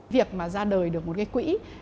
việc mà ra đời được một cái quỹ